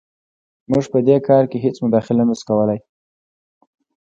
موږ په دې کار کې هېڅ مداخله نه شو کولی.